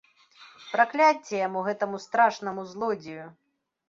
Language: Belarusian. Пракляцце яму, гэтаму страшнаму злодзею!